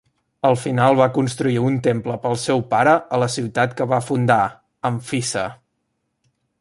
Al final va construir un temple pel seu pare a la ciutat que va fundar, Amfissa.